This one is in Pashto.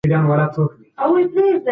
د نكاح او واده اعلان کول د شريعت غوښتنه ده.